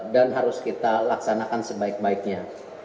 dan harus kita laksanakan sebaik baiknya